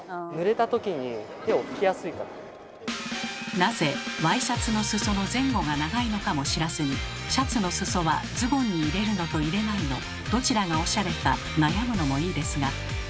なぜワイシャツの裾の前後が長いのかも知らずにシャツの裾はズボンに入れるのと入れないのどちらがおしゃれか悩むのもいいですが。